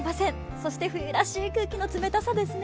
そして冬らしい空気の冷たさですね。